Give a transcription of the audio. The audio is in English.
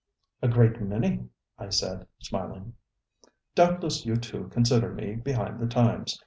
ŌĆ£A great many, ŌĆØ I said, smiling. ŌĆ£Doubtless you too consider me behind the times.